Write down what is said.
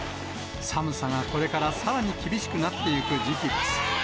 寒さがこれからさらに厳しくなっていく時期です。